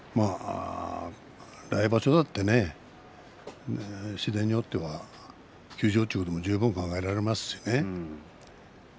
来場所だってね次第によっては休場ということも十分考えられますしね。